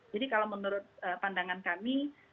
jadi kalau menurut pandangan kami